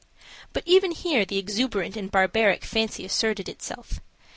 But even here the exuberant and barbaric fancy asserted itself.